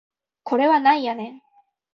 これはなんやねん